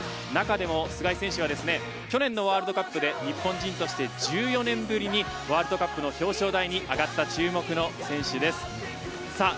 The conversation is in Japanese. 中でも須貝選手は去年のワールドカップで日本人として１４年ぶりにワールドカップの表彰台に上がった注目の選手です。